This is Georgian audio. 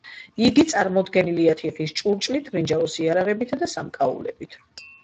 იგი წარმოდგენილია თიხის ჭურჭლით, ბრინჯაოს იარაღებითა და სამკაულებით.